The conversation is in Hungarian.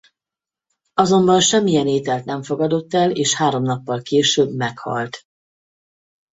Azonban semmilyen ételt nem fogadott el és három nappal később meghalt.